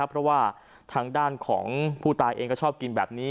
เพราะว่าทางด้านของผู้ตายเองก็ชอบกินแบบนี้